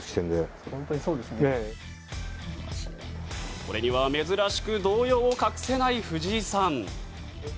これには珍しく動揺を隠せない藤井さん。